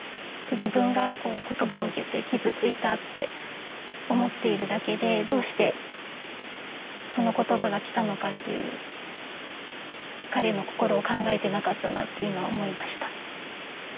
自分がこう言葉を受けて傷ついたって思っているだけでどうしてその言葉がきたのかっていう彼の心を考えてなかったなって今思いました。